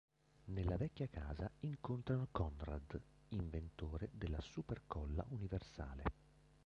Nella vecchia casa incontrano Conrad, inventore della super-colla universale.